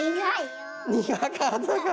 苦かったか。